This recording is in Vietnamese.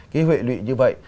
cái huệ lụy như vậy